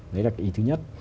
đấy là cái ý thứ nhất